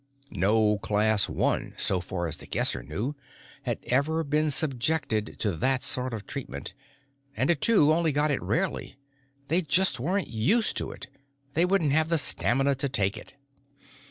No Class One, so far as The Guesser knew, had ever been subjected to that sort of treatment, and a Two only got it rarely. They just weren't used to it; they wouldn't have the stamina to take it.